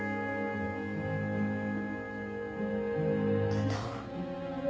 あの。